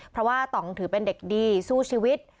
เพราะว่าต่องถือเป็นเด็กดีสู้ชีวิต